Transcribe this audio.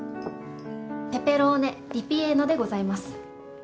ペペローネリピエーノでございます。